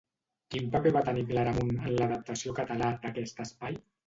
Quin paper va tenir Claramunt en l'adaptació català d'aquest espai?